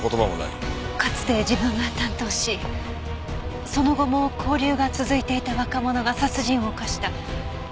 かつて自分が担当しその後も交流が続いていた若者が殺人を犯した。